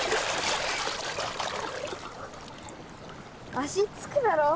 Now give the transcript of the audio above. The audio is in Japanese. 足着くだろ。